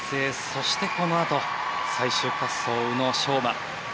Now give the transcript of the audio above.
そして、このあと最終滑走、宇野昌磨。